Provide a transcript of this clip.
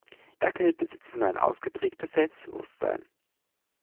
Dackel besitzen ein ausgeprägtes Selbstbewusstsein.